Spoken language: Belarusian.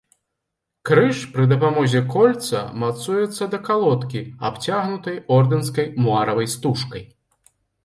Крыж пры дапамозе кольца мацуецца да калодкі, абцягнутай ордэнскай муаравай стужкай.